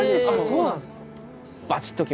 そうなんですか？